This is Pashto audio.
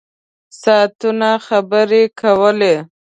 ساعتونه خبرې کولې.